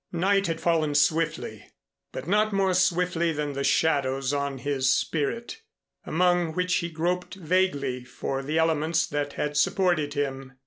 Night had fallen swiftly, but not more swiftly than the shadows on his spirit, among which he groped vaguely for the elements that had supported him.